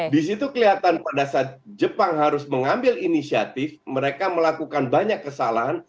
di situ kelihatan pada saat jepang harus mengambil inisiatif mereka melakukan banyak kesalahan